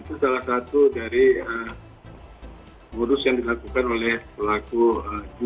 itu salah satu dari modus yang dilakukan oleh pelaku di